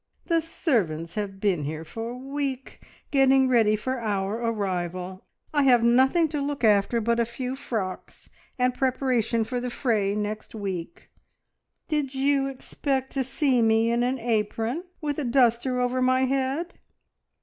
"The servants have been here for a week, getting ready for our arrival. I have nothing to look after but a few frocks, and preparations for the fray next week! Did you expect to see me in an apron, with a duster over my head?"